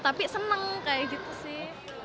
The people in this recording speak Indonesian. tapi seneng kayak gitu sih